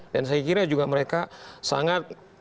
dan saya kira juga mereka sangat